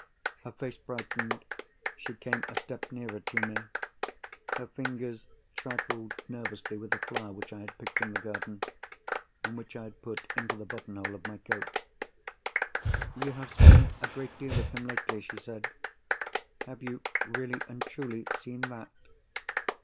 Her face brightened; she came a step nearer to me. Her fingers trifled nervously with a flower which I had picked in the garden, and which I had put into the button hole of my coat. "You have seen a great deal of him lately," she said. "Have you, really and truly, seen _that?